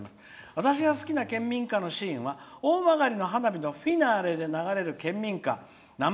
私が好きな県民歌は大曲の花火のフィナーレで流れる県民歌。